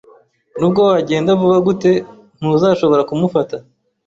Nubwo wagenda vuba gute, ntuzashobora kumufata